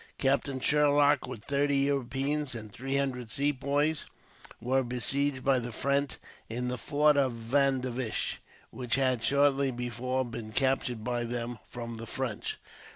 Captain Sherlock, with thirty Europeans and three hundred Sepoys, were besieged by the French in the fort of Vandivash, which had shortly before been captured by them from the French.